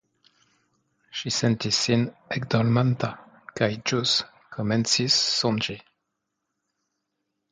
Ŝi sentis sin ekdormanta, kaj ĵus komencis sonĝi.